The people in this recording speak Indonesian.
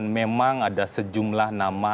memang ada sejumlah nama